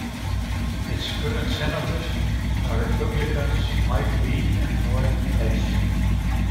Its current senators are Republicans Mike Lee and Orrin Hatch.